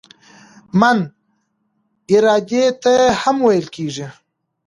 "من" ارادې ته هم ویل کیږي.